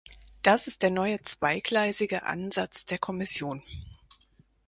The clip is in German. Das ist der neue zweigleisige Ansatz der Kommission.